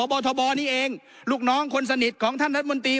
บททบนี่เองลูกน้องคนสนิทของท่านรัฐมนตรี